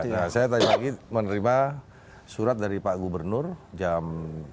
ya saya tadi pagi menerima surat dari pak gubernur jam sembilan dua puluh